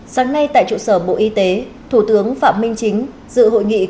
sáng nay tại trụ sở bộ y tế thủ tướng phạm minh chính dự hội nghị công tác